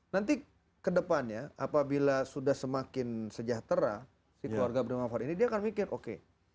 nanti ke depannya apabila sudah semakin sejahtera si keluarga penerimaan manfaat ini dia akan mikir oke